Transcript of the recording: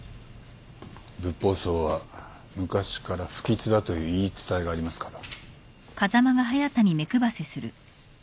ブッポウソウは昔から不吉だという言い伝えがありますから。